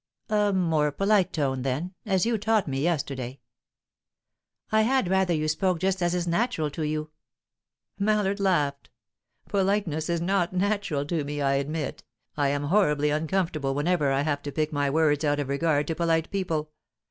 "A more polite tone, then as you taught me yesterday." "I had rather you spoke just as is natural to you." Mallard laughed. "Politeness is not natural to me, I admit. I am horribly uncomfortable whenever I have to pick my words out of regard to polite people.